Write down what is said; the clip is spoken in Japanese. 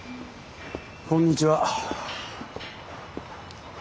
こんにちは。